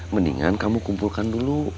mendingan kamu kumpulkan dulu